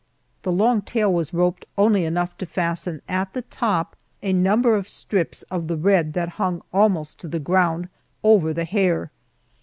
The long tail was roped only enough to fasten at the top a number of strips of the red that hung almost to the ground over the hair.